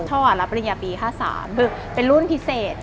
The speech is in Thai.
ท่อรับปริญญาปี๕๓คือเป็นรุ่นพิเศษ